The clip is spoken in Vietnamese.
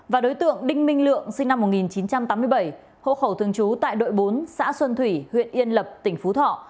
và đối tượng đinh minh lượng sinh năm một nghìn chín trăm tám mươi bảy hộ khẩu thường trú tại đội bốn xã xuân thủy huyện yên lập tỉnh phú thọ